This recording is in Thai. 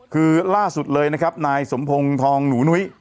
คือล่าสุดเลยนะครับนายสมพงศ์ทองหนูนุ้ย